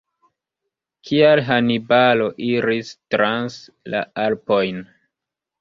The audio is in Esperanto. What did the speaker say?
Kial Hanibalo iris trans la Alpojn?